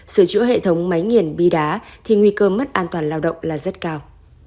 sửa chữa hệ thống máy nghiền bi đá thì nguy cơ mất an toàn lao động là rất cao